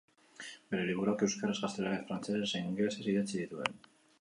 Bere liburuak euskaraz, gaztelaniaz, frantsesez zein ingelesez idatzi zituen.